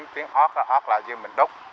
tiếng ốc là như mình đúc